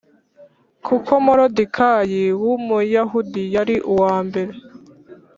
Kuko Moridekayi w Umuyahudi yari uwa mbere